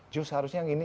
just harusnya yang ini